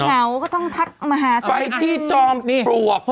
เหงาก็ต้องทักมาหาไปที่จอมปลวก